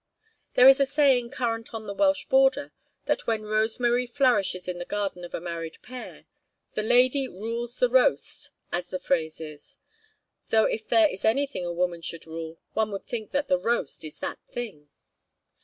There is a saying current on the Welsh border, that when rosemary flourishes in the garden of a married pair, the lady 'rules the roast,' as the phrase is though if there is anything a woman should rule, one would think the 'roast' is that thing.